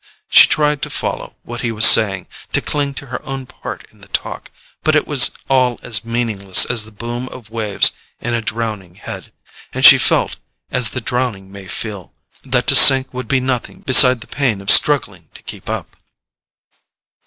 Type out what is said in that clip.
She tried to follow what he was saying, to cling to her own part in the talk—but it was all as meaningless as the boom of waves in a drowning head, and she felt, as the drowning may feel, that to sink would be nothing beside the pain of struggling to keep up.